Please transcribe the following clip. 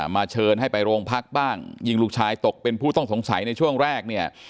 เชิญให้ไปโรงพักบ้างยิงลูกชายตกเป็นผู้ต้องสงสัยในช่วงแรกเนี่ย